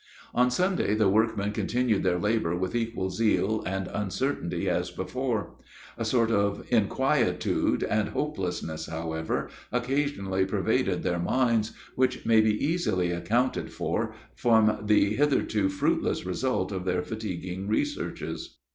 On Sunday, the workmen continued their labor with equal zeal and uncertainty as before. A sort of inquietude and hopelessness, however, occasionally pervaded their minds, which may be easily accounted for, from the hitherto fruitless result of their fatiguing researches.